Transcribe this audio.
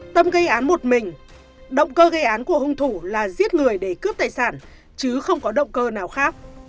tâm gây án một mình động cơ gây án của hung thủ là giết người để cướp tài sản chứ không có động cơ nào khác